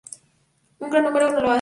Un gran número no lo hace.